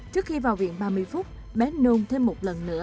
trước khi vào viện ba mươi phút bé nôn thêm một lần nữa